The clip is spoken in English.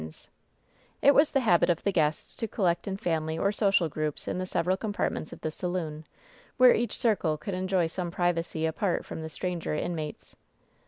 266 WHEN SHADOWS DDE It was the habit of the guests to collect in family or social groups in the several compartments of this saloon, where each circle could enjoy some privacy apart from the stranger inmates.